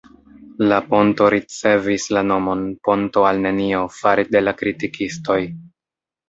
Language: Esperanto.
La ponto ricevis la nomon "Ponto al nenio" fare de la kritikistoj.